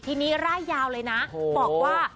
ทีนี้ร่ายยาวเลยนะบอกว่า